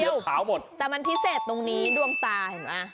มีตัวเดียวแต่มันทิเศษตรงนี้ดวงตา